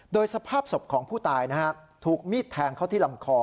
โดยสภาพศพของผู้ตายถูกมีดแทงเข้าที่ลำคอ